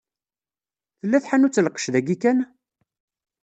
Tella tḥanut n lqec d ayi kan?